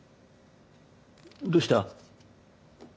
どうした？